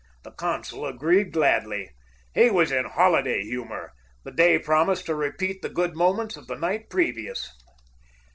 The consul agreed gladly. He was in holiday humor. The day promised to repeat the good moments of the night previous.